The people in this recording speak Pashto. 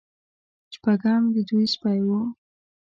شپږم د دوی سپی و.